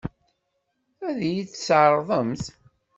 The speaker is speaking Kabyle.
Ad iyi-tt-tɛeṛḍemt?